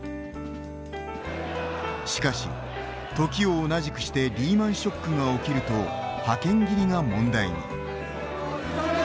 しかし時を同じくしてリーマンショックが起きると派遣切りが問題に。